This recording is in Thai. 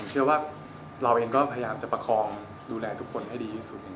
เชื่อว่าเราเองก็พยายามจะประคองดูแลทุกคนให้ดีที่สุด